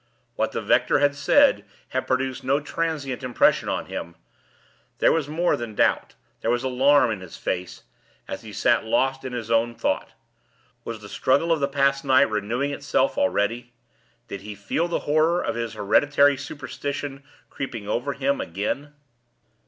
What the rector had said had produced no transient impression on him; there was more than doubt, there was alarm in his face, as he sat lost in his own thought. Was the struggle of the past night renewing itself already? Did he feel the horror of his hereditary superstition creeping over him again?